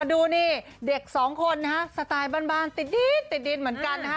ดูนี่เด็กสองคนนะฮะสไตล์บ้านติดดินติดดินเหมือนกันนะฮะ